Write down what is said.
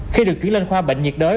khi được chuyển lên khoa bệnh nhiệt đới